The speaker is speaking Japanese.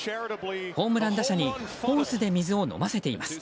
ホームラン打者にホースで水を飲ませています。